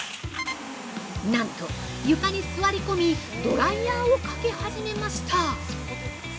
なんと、床に座り込みドライヤーをかけ始めました！